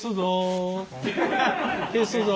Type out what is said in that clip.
消すぞ。